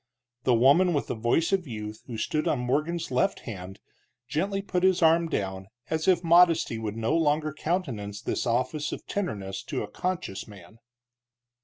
The woman with the voice of youth, who stood on Morgan's left hand, gently put his arm down, as if modesty would no longer countenance this office of tenderness to a conscious man.